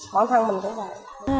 bản thân mình cũng vậy